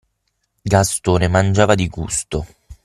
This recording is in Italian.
Gastone mangiava di gusto.